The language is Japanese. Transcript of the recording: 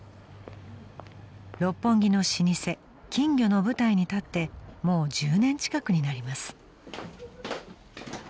［六本木の老舗金魚の舞台に立ってもう１０年近くになります］